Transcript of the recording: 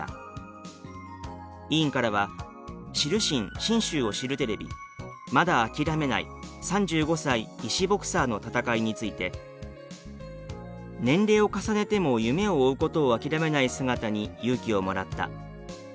委員からは「知るしん信州を知るテレビまだ、あきらめない３５歳医師ボクサーの闘い」について「年齢を重ねても夢を追うことを諦めない姿に勇気をもらった」